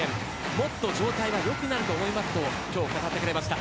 もっと状態が良くなると思いますと今日語ってくれました。